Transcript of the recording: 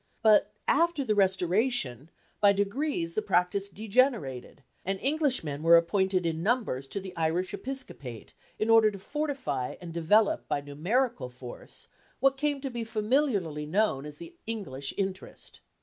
But, after the Restoration, by degrees the practice degenerated, and Englishmen were appointed in numbers to the Irish Episcopate in order to fortify and develop by numerical force what came to be familiarly known as the English interest.